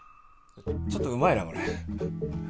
ちょっとうまいなこれ。